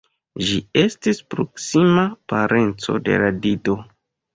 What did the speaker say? Ĝi estis proksima parenco de la Dido.